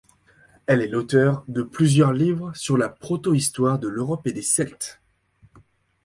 Elle est l'auteur de plusieurs livres sur la protohistoire de l'Europe et les Celtes.